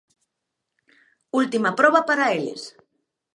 Última proba para eles.